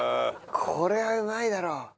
これはうまいだろ。